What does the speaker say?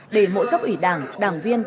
để mỗi cấp ủy đảng đảng viên